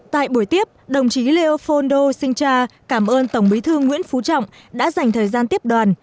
tại buổi tiếp đồng chí leopoldo sinhcha cảm ơn tổng bí thư nguyễn phú trọng đã dành thời gian tiếp đoàn